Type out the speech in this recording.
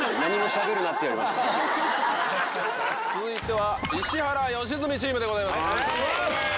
続いては石原良純チームでございます。